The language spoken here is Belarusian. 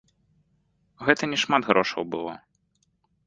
Гэта не шмат грошаў было.